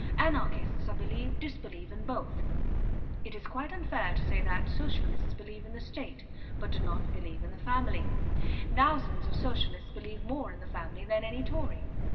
Anarchists, I believe, disbelieve in both. It is quite unfair to say that Socialists believe in the state, but do not believe in the family; thousands of Socialists believe more in the family than any Tory.